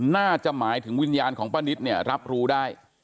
น่าจะหมายถึงวิญญาณของป้านิตเนี่ยรับรู้ได้